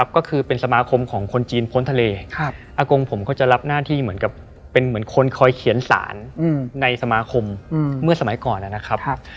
ก็คือเป็นสมาคมของคนจีนพ้นทะเลอากงผมก็จะรับหน้าที่เหมือนกับเป็นเหมือนคนคอยเขียนสารในสมาคมเมื่อสมัยก่อนนะครับ